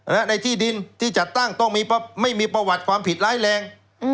ในที่ดินที่จัดตั้งต้องไม่มีประวัติความผิดร้ายแรง